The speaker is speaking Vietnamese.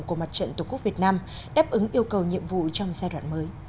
của mặt trận tổ quốc việt nam đáp ứng yêu cầu nhiệm vụ trong giai đoạn mới